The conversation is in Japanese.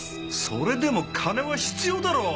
それでも金は必要だろ！